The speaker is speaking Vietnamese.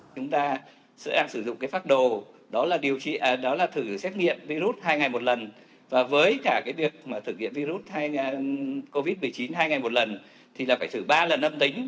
chúng ta sẽ sử dụng pháp đồ đó là thử xét nghiệm virus hai ngày một lần và với cả việc thử nghiệm virus covid một mươi chín hai ngày một lần thì phải thử ba lần âm tính